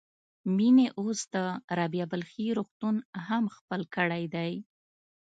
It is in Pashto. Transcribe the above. مينې اوس د رابعه بلخي روغتون هم خپل کړی دی.